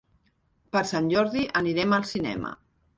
Per Sant Jordi anirem al cinema.